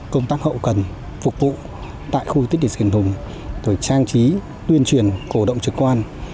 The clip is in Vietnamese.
công tác hậu cần phục vụ tại khu tích định diện hùng rồi trang trí tuyên truyền cổ động trực quan